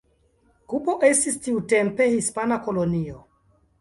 Kubo estis tiutempe hispana kolonio.